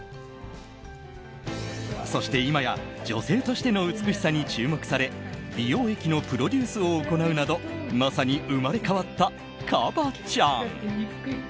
そして今や女性としての美しさに注目され美容液のプロデュースを行うなどまさに生まれ変わったＫＡＢＡ．ちゃん。